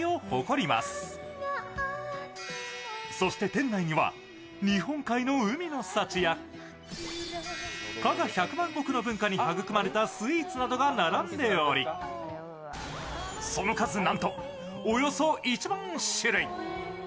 店内には日本海の海の幸や加賀百万石の文化に育まれたスイーツなどが並んでおり、その数、なんとおよそ１万種類。